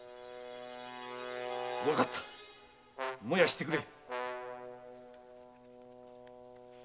わかった燃やしてくれ！